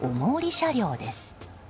車輌です。